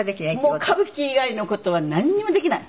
もう歌舞伎以外の事はなんにもできない。